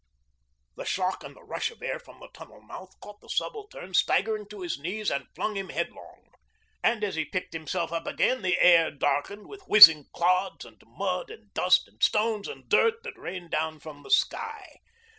The shock and the rush of air from the tunnel mouth caught the Subaltern, staggering to his knees, and flung him headlong. And as he picked himself up again the air darkened with whizzing clods and mud and dust and stones and dirt that rained down from the sky.